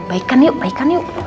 baikkan yuk baikkan yuk